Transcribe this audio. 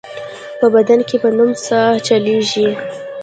په بدن کې به نوې ساه چلېږي.